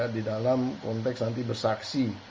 di dalam konteks nanti bersaksi